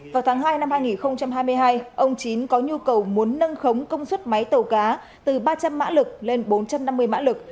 vào tháng hai năm hai nghìn hai mươi hai ông chín có nhu cầu muốn nâng khống công suất máy tàu cá từ ba trăm linh mã lực lên bốn trăm năm mươi mã lực